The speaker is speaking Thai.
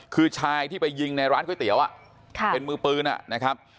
คือชายที่ไปยิงในร้านก๋วยเตี๋ยวเป็นมือปืนนะครับ